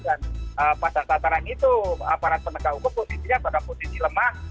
dan pada saat saat terakhir itu aparat penegak hukum posisinya pada posisi lemah